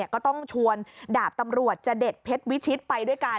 ก็ต้องชวนดาบตำรวจจดเพชรวิชิตไปด้วยกัน